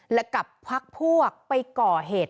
และกับพักพวกไปก่อเหตุ